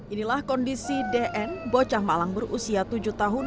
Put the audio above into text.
inilah kondisi dn bocah malang berusia tujuh tahun